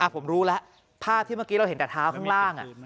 ผมรู้แล้วภาพที่เมื่อกี้เราเห็นแต่เท้าข้างล่าง